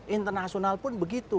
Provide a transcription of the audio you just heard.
internasional pun begitu